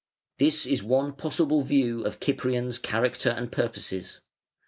This is one possible view of Cyprian's character and purposes.